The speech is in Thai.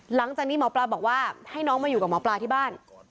หลังจากนี้หมอปลาบอกว่าให้น้องมาอยู่กับหมอปลาที่บ้าน